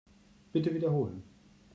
Bitte wiederholen.